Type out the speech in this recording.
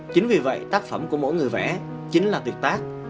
chính vì vậy tác phẩm của mỗi người vẽ chính là tuyệt tác